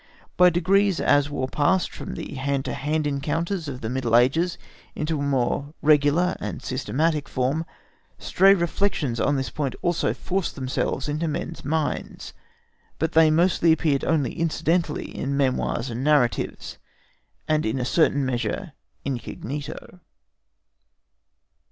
By degrees, as War passed from the hand to hand encounters of the middle ages into a more regular and systematic form, stray reflections on this point also forced themselves into men's minds, but they mostly appeared only incidentally in memoirs and narratives, and in a certain measure incognito.